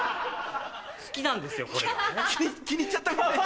好きなんですよこれが。